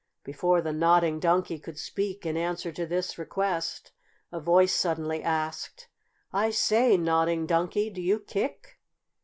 Before the Nodding Donkey could speak in answer to this request, a voice suddenly asked: "I say, Nodding Donkey, do you kick?"